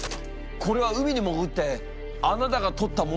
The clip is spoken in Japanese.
これは海に潜ってあなたが撮ったものなのか？